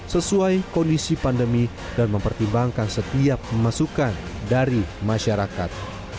sesuai kondisi pandemi dan mempertimbangkan setiap masukan dari masyarakat